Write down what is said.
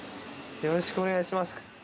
よろしくお願いします。